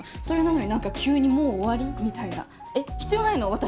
それなのに何か急にもう終わりみたいなえっ必要ないの？